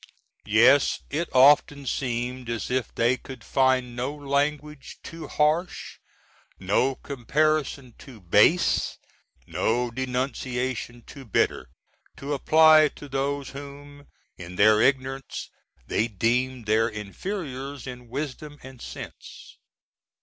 Yes, it often seemed as if they could find no language too harsh, no comparison too base, no denunciation too bitter to apply to those whom in their ignorance they deemed their inferiors in wisdom and sense.